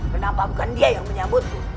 mengapa bukan dia yang menyambutmu